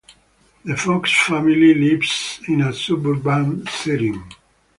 The Fox family lives in a suburban setting.